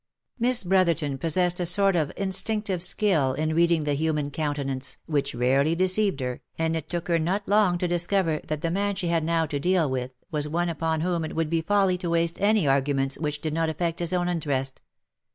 Miss Brotherton possessed a sort of instinctive skill in reading the human countenance, which rarely deceived her, and it took her not long to discover that the man she had now to deal with was one upon whom it would be folly to waste any arguments which did not affect his own interest.